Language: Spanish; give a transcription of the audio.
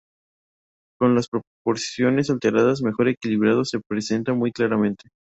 Con las proporciones alteradas, mejor equilibrado, se presenta muy claramente.